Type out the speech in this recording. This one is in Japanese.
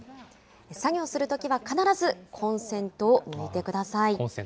作業するときは必ずコンセントを抜いてください。